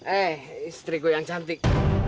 eh istriku yang cantik